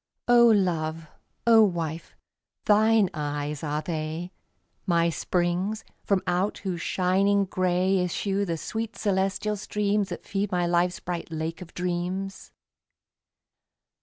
O Love, O Wife, thine eyes are they, My springs from out whose shining gray Issue the sweet celestial streams That feed my life's bright Lake of Dreams.